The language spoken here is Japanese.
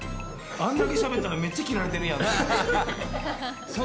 あんだけしゃべったのに、めっちゃ切られてるやん。